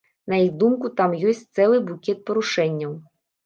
На іх думку, там ёсць цэлы букет парушэнняў.